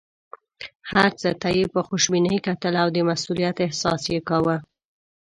هر څه ته یې په خوشبینۍ کتل او د مسوولیت احساس یې کاوه.